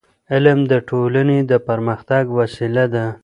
علم د ټولنې د پرمختګ وسیله ده.